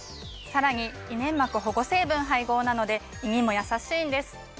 さらに胃粘膜保護成分配合なので胃にもやさしいんです。